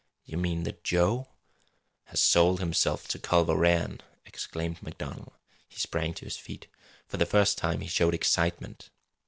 "You mean that Joe " "Has sold himself to Culver Rann!" exclaimed MacDonald. He sprang to his feet. For the first time he showed excitement.